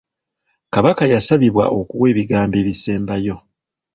Kabaka yasabibwa okuwa ebigambo ebisembayo.